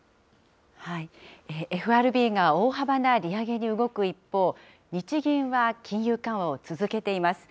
ＦＲＢが大幅な利上げに動く一方、日銀は、金融緩和を続けています。